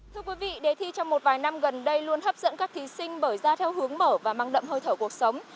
thưa quý vị đề thi trong một vài năm gần đây luôn hấp dẫn các thí sinh bởi ra theo hướng mở và mang đậm hơi thở cuộc sống